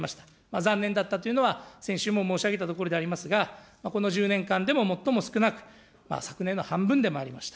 残念だったというのは、先週も申し上げたところでありますが、この１０年間でも最も少なく、昨年の半分でもありました。